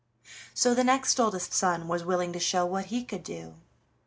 So the next oldest son was willing to show what he could do.